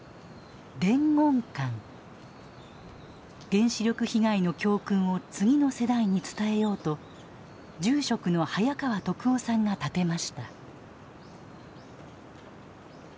原子力被害の教訓を次の世代に伝えようと住職の早川篤雄さんが建てました。